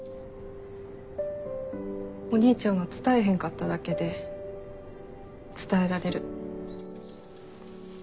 お兄ちゃんは伝えへんかっただけで伝えられる。